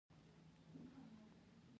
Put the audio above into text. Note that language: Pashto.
ډېره مرسته وکړه.